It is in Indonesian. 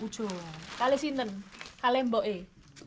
di sini di bawah